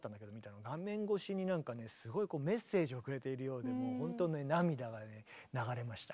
画面越しになんかねすごいメッセージをくれているようでもうほんとね涙がね流れました。